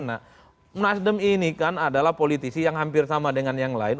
nah nasdem ini kan adalah politisi yang hampir sama dengan yang lain